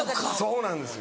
そうなんですよ。